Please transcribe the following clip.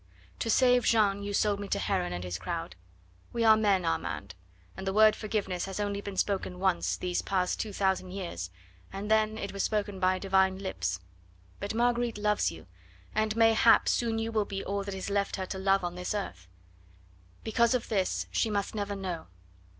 To save Jeanne you sold me to Heron and his crowd. We are men, Armand, and the word forgiveness has only been spoken once these past two thousand years, and then it was spoken by Divine lips. But Marguerite loves you, and mayhap soon you will be all that is left her to love on this earth. Because of this she must never know....